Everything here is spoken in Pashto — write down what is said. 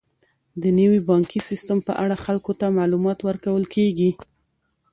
د نوي بانکي سیستم په اړه خلکو ته معلومات ورکول کیږي.